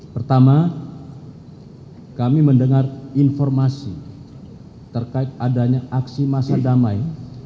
pertama kami mendengar informasi terkait adanya aksi masa damai